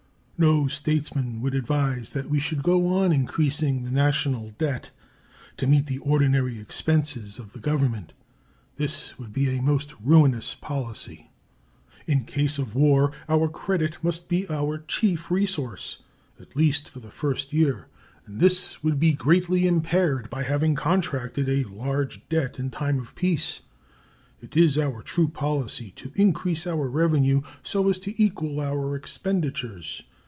No statesman would advise that we should go on increasing the national debt to meet the ordinary expenses of the Government. This would be a most ruinous policy. In case of war our credit must be our chief resource, at least for the first year, and this would be greatly impaired by having contracted a large debt in time of peace. It is our true policy to increase our revenue so as to equal our expenditures.